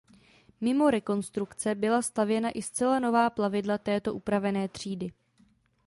Mimo rekonstrukce byla stavěna i zcela nová plavidla této upravené třídy.